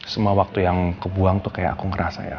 semua waktu yang kebuang tuh kayak aku ngerasa ya